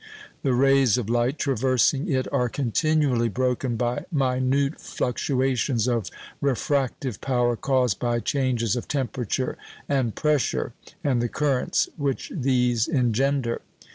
The rays of light traversing it are continually broken by minute fluctuations of refractive power caused by changes of temperature and pressure, and the currents which these engender.